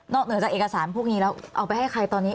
เหนือจากเอกสารพวกนี้แล้วเอาไปให้ใครตอนนี้